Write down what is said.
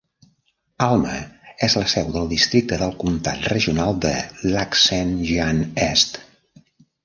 Alma és la seu dels districte del comtat regional de Lac-Saint-Jean-Est.